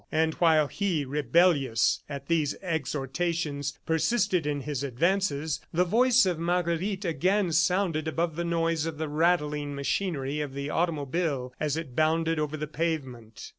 And while he, rebellious at these exhortations, persisted in his advances, the voice of Marguerite again sounded above the noise of the rattling machinery of the automobile as it bounded over the pavement.